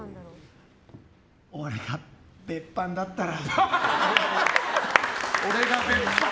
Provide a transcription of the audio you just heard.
俺が別班だったら。